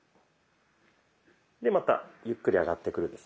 でまたゆっくり上がってくるんですね。